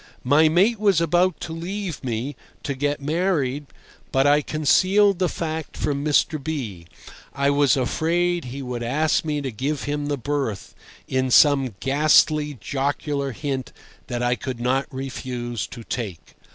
My mate was about to leave me (to get married), but I concealed the fact from Mr. B—. I was afraid he would ask me to give him the berth in some ghastly jocular hint that I could not refuse to take.